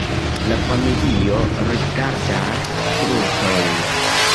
La familio rigardas strutojn: